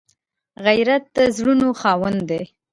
غیرت د زړونو خاوند دی